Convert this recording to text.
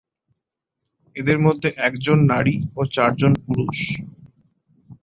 এদের মধ্যে এক জন নারী ও চার জন পুরুষ।